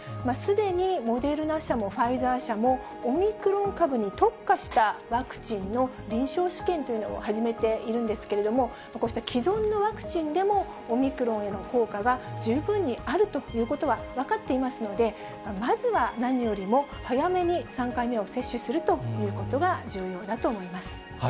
すでにモデルナ社もファイザー社も、オミクロン株に特化したワクチンの臨床試験というのを始めているんですけれども、こうした既存のワクチンでも、オミクロンへの効果は十分にあるということは分かっていますので、まずは何よりも早めに３回目を接種するということが重要だと思い